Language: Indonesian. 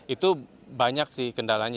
itu banyak sih kendalanya